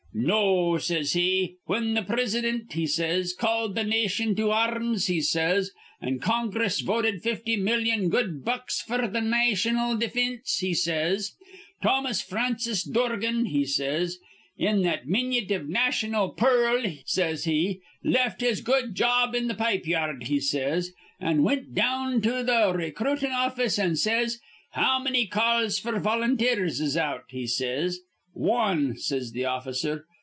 'No,' says he. 'Whin th' Prisidint,' he says, 'called th' nation to ar rms,' he says, 'an' Congress voted fifty million good bucks f'r th' naytional definse,' he says, 'Thomas Francis Dorgan,' he says, 'in that minyit iv naytional pearl,' says he, 'left his good job in the pipe yard,' he says, 'an' wint down to th' raycruitin' office, an' says, "How manny calls f'r volunteers is out?" he says. "Wan," says th' officer.